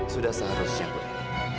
sudah seharusnya bu leni